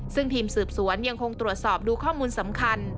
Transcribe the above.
ซึ่งทีมสืบสวนยังคงตรวจสอบดูข้อมูลสำคัญ